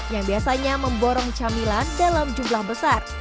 yang biasanya memborong camilan dalam jumlah besar